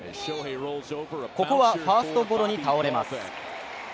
ここはファーストゴロに倒れます。